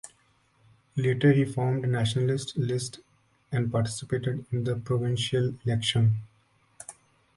Later he formed Nationalist List and participated in the provincial election.